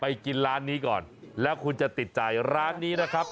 กินร้านนี้ก่อนแล้วคุณจะติดใจร้านนี้นะครับ